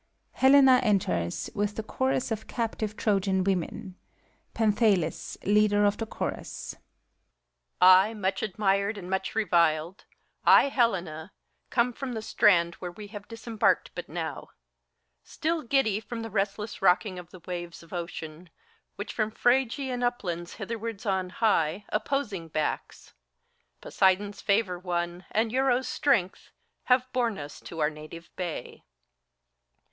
Helena enters, with the Chorus o/ Captive Trojan Women, Panthalis, Leader of the Chorus, HELENA. I MUCH admired and much reviled, — I, Helena, 9 Come from the strand where we have disembarked but now, Still giddy from the restles? rocking of the waves ACT III. 133 Of Ocean, which from Phrygian uplands hitherwards On high, opposing backs — Poseidon's favor won And Euros' strength — ^have borne us to our native bay.